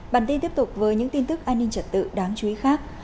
bản tin tiếp tục với những tin tức an ninh trật tự đáng chú ý khác